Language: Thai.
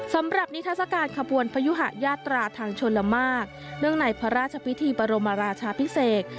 สำหรับนิทัศกาลขบวนพยุหะยาตราทางชนละมากเนื่องในพระราชพิธีบรมราชาพิเศษ